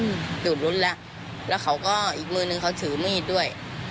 อืมดูดรุ้นแล้วแล้วเขาก็อีกมือนึงเขาถือมีดด้วย